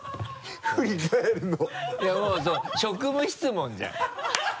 いやもう職務質問じゃん。